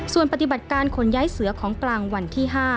ส่วนปฏิบัติการขนย้ายเสือของกลางวันที่๕